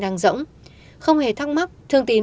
đang rỗng không hề thắc mắc thương tín